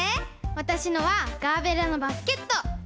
わたしのはガーベラのバスケット！